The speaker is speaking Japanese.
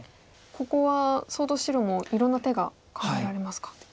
ここは相当白もいろんな手が考えられますか。